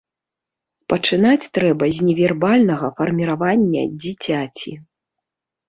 Пачынаць трэба з невербальнага фарміравання дзіцяці.